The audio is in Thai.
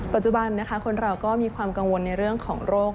ปัจจุบันนะคะคนเราก็มีความกังวลในเรื่องของโรค